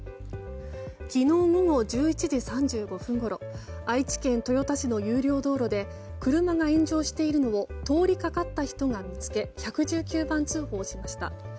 昨日午後１１時３５分ごろ愛知県豊田市の有料道路で車が炎上しているのを通りかかった人が見つけ１１９番通報しました。